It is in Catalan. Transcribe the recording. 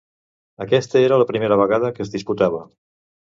Aquesta era la primera vegada que es disputava.